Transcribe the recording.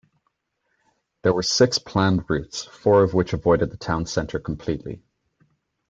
There were six planned routes, four of which avoided the town centre completely.